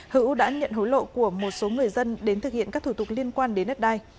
hữu đã nhận hối lộ của một số người dân đến thực hiện các thủ tục liên quan đến đất đai